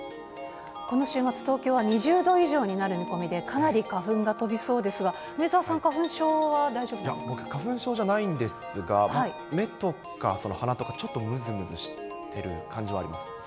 この週末、東京は２０度以上になる見込みで、かなり花粉が飛びそうですが、梅澤さん、花粉症いや、僕、花粉症じゃないんですが、目とか鼻とか、ちょっとむずむずしてる感じはあります。